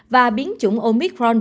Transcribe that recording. và biến chủng omicron vẫn là nguy hiểm